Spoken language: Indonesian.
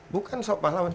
bukan sok pahlawan